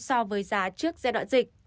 so với giá trước giai đoạn dịch